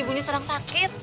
ibu ini serang sakit